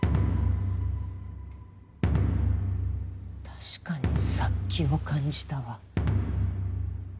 確かに殺気を感じたわ。